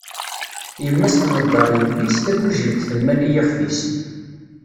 Yemma-s tneddaṛ yelli-s, tagujilt temmal i yixef-is.